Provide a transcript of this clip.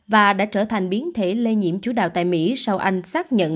và đã trở thành biến thể lây nhiễm chủ đào tại mỹ sau anh xác nhận